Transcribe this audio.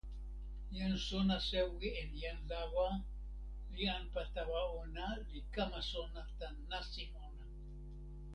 jan sona sewi en jan lawa li anpa tawa ona, li kama sona tan nasin ona.